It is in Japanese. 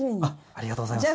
ありがとうございます。